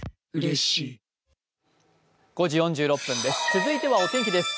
続いてはお天気です。